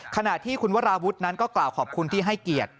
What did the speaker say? ขณะที่คุณวราวุฒินั้นก็กล่าวขอบคุณที่ให้เกียรติ